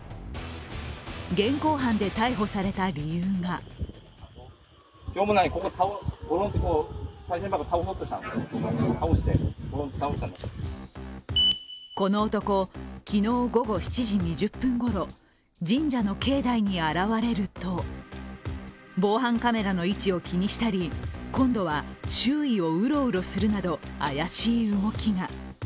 現行犯で逮捕された理由がこの男、昨日午後７時２０分頃神社の境内に現れると防犯カメラの位置を気にしたり今度は周囲をうろうろするなど怪しい動きが。